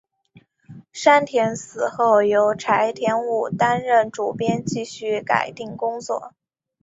山田死后由柴田武担任主编继续改订工作。